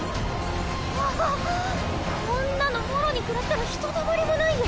わっこんなのもろにくらったらひとたまりもないよ。